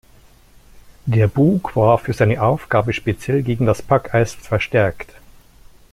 Der Bug war für seine Aufgabe speziell gegen das Packeis verstärkt.